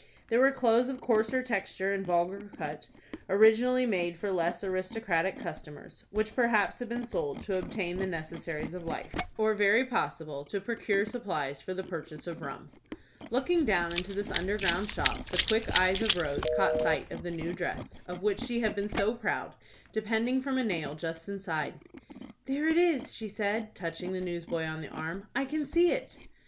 There were clothes of coarser texture and vulgar cut, originally made for less aristocratic customers, which perhaps had been sold to obtain the necessaries of life, or very possibly to procure supplies for the purchase of rum. Looking down into this under ground shop, the quick eyes of Rose caught sight of the new dress, of which she had been so proud, depending from a nail just inside. "There it is," she said, touching the newsboy on the arm. "I can see it."